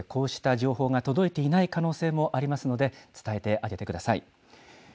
こうした情報が届いていない可能性もありますので、伝えてあげてください。